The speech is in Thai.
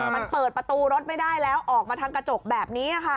มันเปิดประตูรถไม่ได้แล้วออกมาทางกระจกแบบนี้ค่ะ